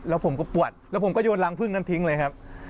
แล้วผมก็ปวดแล้วผมก็โยนรังพึ่งนั้นทิ้งเลยครับ